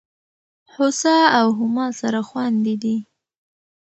هوسا او هما سره خوندي دي.